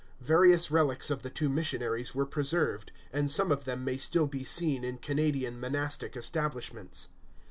Various relics of the two missionaries were preserved; and some of them may still be seen in Canadian monastic establishments.